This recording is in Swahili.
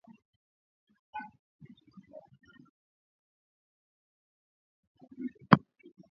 Motoka ina mwanga mzigo wangu wa tomate yote